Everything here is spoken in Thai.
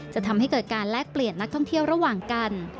จะทำให้เกิดการแลกเปลี่ยนนักท่องเที่ยวระหว่างกัน